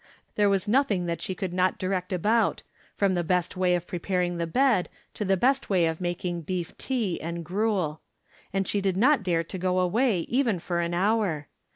There was nothing that she could not direct about, from the best way of preparing the bed to the best way of making beef tea and gruel. And she did not dare to go away, even for an hour.